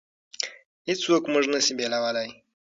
هېڅوک موږ نشي بېلولی.